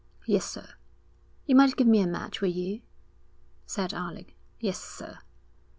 'Yes, sir.' 'You might give me a match, will you?' said Alec. 'Yes, sir.'